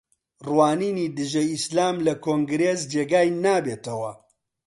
ڕوانینی دژە ئیسلام لە کۆنگرێس جێگای نابێتەوە